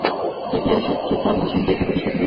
তৃতীয় সহস্রাব্দের স্মরণে প্রতিষ্ঠিত হয়েছিল।